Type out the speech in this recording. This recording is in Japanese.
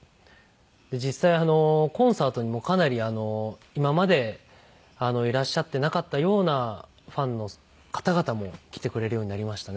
実際コンサートにもかなり今までいらっしゃってなかったようなファンの方々も来てくれるようになりましたね